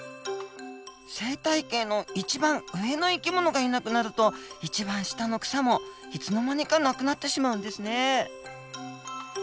生態系の一番上の生き物がいなくなると一番下の草もいつの間にかなくなってしまうんですね。